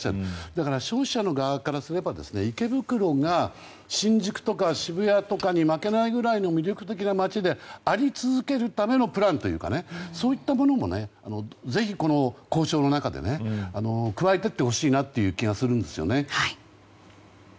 だから、消費者の側からすれば池袋が、新宿とか渋谷とかに負けないぐらいの魅力的な街であり続けるためのプランというかそういったものもぜひ、この交渉の中で加えていってほしいなという気がするんですよね。